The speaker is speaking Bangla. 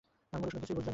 মধুসূদন কিছুই বুঝলে না।